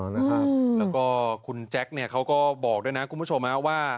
แล้วก็คุณแจ็คเขาก็บอกด้วยนะคุณผู้ชมว่า